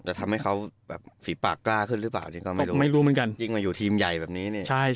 ว่าเขาฝีปากกล้าขึ้นหรือเปล่าไม่รู้เหมือนกันยิ่งมันอยู่ทีมใหญ่แบบนี้